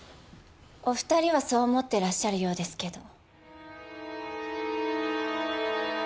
お２人はそう思ってらっしゃるようですけど。